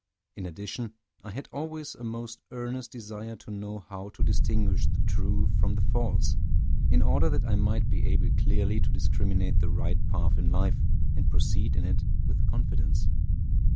In addition, I had always a most earnest desire to know how to distinguish the true from the false, in order that I might be able clearly to discriminate the right path in life, and proceed in it with confidence.